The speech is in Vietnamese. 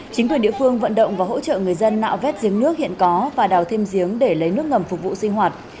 chính quyền địa phương vận động và hỗ trợ người dân nạo vét giếng nước hiện có và đào thêm giếng để lấy nước ngầm phục vụ sinh hoạt